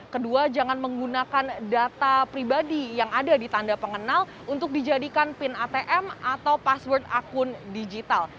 kedua jangan menggunakan data pribadi yang ada di tanda pengenal untuk dijadikan pin atm atau password akun digital